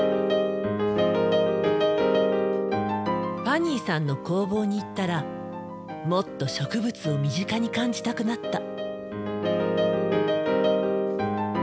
ファニーさんの工房に行ったらもっと植物を身近に感じたくなった。